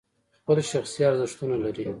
خپل شخصي ارزښتونه لري.